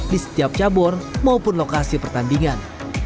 di setiap cabur maupun lokasi pertandingan